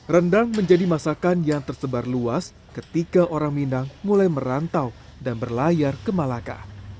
rendang menjadi masakan yang tersebar luas ketika orang minang mulai merantau dan berlayar ke malaka